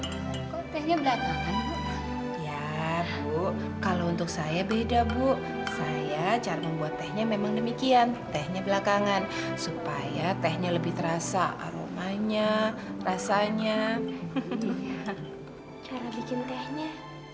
kalau tehnya belakangan biar bu kalau untuk saya beda bu saya cara membuat tehnya memang demikian tehnya belakangan supaya tehnya lebih terasa aromanya rasanya cara bikin tehnya